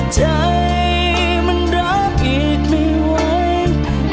ใจมันรักอีกไม่ไหว